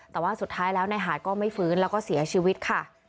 แต่ว่าสุดท้ายแล้วนายหาดก็ไม่ฟื้นแล้วก็เสียชีวิตค่ะ